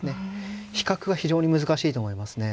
比較が非常に難しいと思いますね。